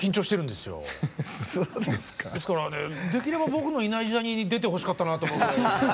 ですからねできれば僕のいない時代に出てほしかったなと思って。